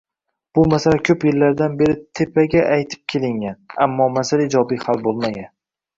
Bu masala koʻp yillardan beri “tepa”ga aytib kelingan, ammo masala ijobiy hal boʻlmagan.